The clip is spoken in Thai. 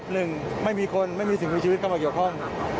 หนึ่งไม่มีคนไม่มีสิ่งมีชีวิตเข้ามาเกี่ยวข้อง